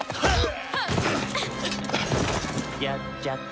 やっちゃって。